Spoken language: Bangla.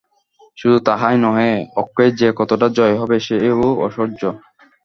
শুধু তাহাই নহে, অক্ষয়ের যে কতকটা জয় হইবে, সেও অসহ্য।